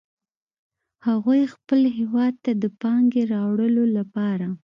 هغوی خپل هیواد ته د پانګې راوړلو لپاره